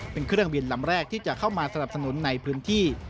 เป็นเครื่องบินลำแรกที่จะเข้ามาสนับสนุนในพื้นที่